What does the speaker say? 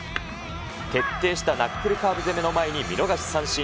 徹底したナックルカーブ攻めの前に見逃し三振。